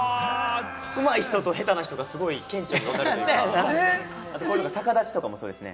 うまい人と下手な人がすごい顕著に分かるというか、逆立ちとかもそうですね。